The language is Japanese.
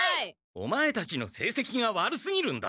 オマエたちのせいせきが悪すぎるんだ。